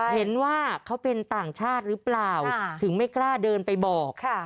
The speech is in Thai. เห็นว่าเขาเป็นต่างชาติหรือเปล่าถึงไม่กล้าเดินไปบอก